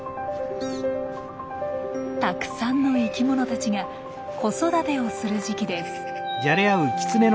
たくさんの生きものたちが子育てをする時期です。